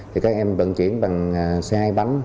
thì các em bận chuyển bằng xe hai bánh